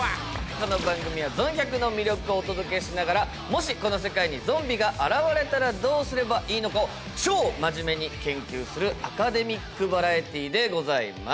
この番組は「ゾン１００」の魅力をお届けしながらもしこの世界にゾンビが現れたらどうすればいいのかを超マジメに研究するアカデミックバラエティでございます。